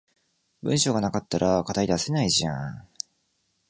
文章が無かったら課題出せないじゃん